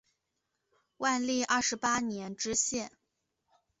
万历二十八年知县。